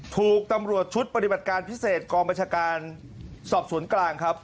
ถูกตำรวจชุดปฏิบัติการพิเศษกองบัญชาการสอบสวนกลางครับ